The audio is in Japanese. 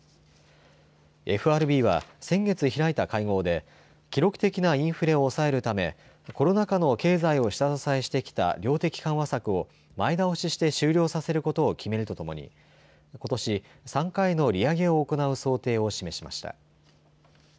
ＦＲＢは先月開いた会合で記録的なインフレを抑えるためコロナ禍の経済を下支えしてきた量的緩和策を前倒しして終了させることを決めるとともにことし、３回の利上げを行う想定を示しました。